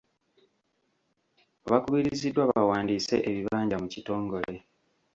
Bakubiriziddwa bawandiise ebibanja mu kitongole.